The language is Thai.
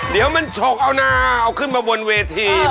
เดี๋ยวมันฉกเอาหน้าเอาขึ้นมาบนเวที